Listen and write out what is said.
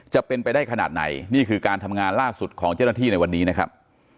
จะเป็นไปได้ขนาดไหนนี่คือการทำงานล่าสุดของเจ้าหน้าที่ในวันนี้นะครับ